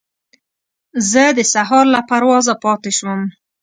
زه د سهار له پروازه پاتې شوم.